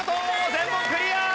全問クリア！